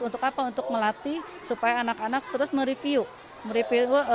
untuk apa untuk melatih supaya anak anak terus mereview